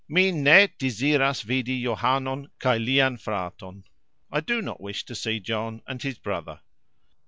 "Mi ne deziras vidi Johanon kaj lian fraton", I do not wish to see John and his brother.